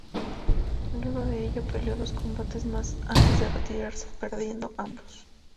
Luego de ello peleó dos combates más antes de retirarse, perdiendo ambos.